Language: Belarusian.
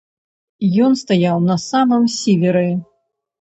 Ён стаяў на самым сіверы.